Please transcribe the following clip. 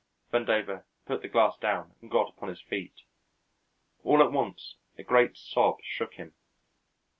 Vandover put the glass down and got upon his feet. All at once a great sob shook him.